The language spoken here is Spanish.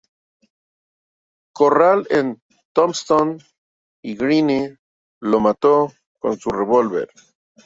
Corral en Tombstone y Greene lo mató con su revólver.